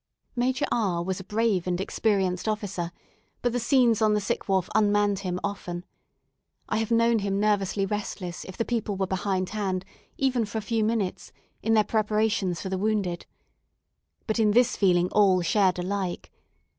Major R was a brave and experienced officer, but the scenes on the sick wharf unmanned him often. I have known him nervously restless if the people were behindhand, even for a few minutes, in their preparations for the wounded. But in this feeling all shared alike.